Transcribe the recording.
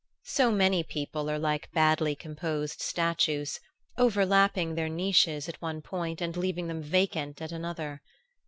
So many people are like badly composed statues, over lapping their niches at one point and leaving them vacant at another.